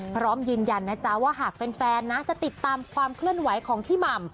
พร้อมยืนยันนะจ๊ะว่าหากแฟนนะจะติดตามความเคลื่อนไหวของพี่หม่ำ